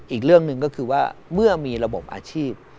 อีกเรื่องหนึ่งก็คือว่าเมื่อมีระบบอาชีพ